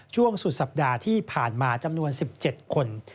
ช่วงสุดสัปดาห์ที่ผ่านมาจำนวน๑๗คน